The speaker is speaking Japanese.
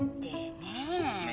ねえ。